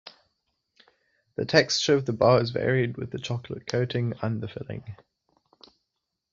The texture of the bar is varied with the chocolate coating and the filling.